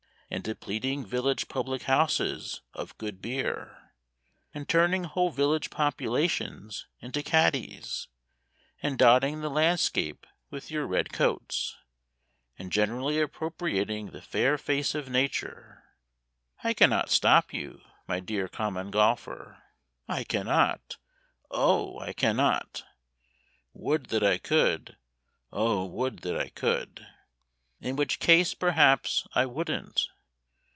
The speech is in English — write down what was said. And depleting village public houses of good beer, And turning whole village populations into caddies, And dotting the landscape with your red coats, And generally appropriating the fair face of Nature. I cannot stop you, my dear Common Golfer, I cannot, O I cannot! Would that I could. O would that I could! In which case, perhaps, I wouldn't.